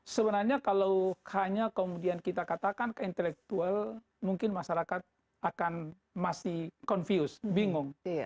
sebenarnya kalau hanya kemudian kita katakan ke intelektual mungkin masyarakat akan masih confuse bingung